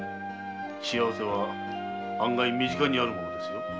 幸せは案外身近にあるものですよ。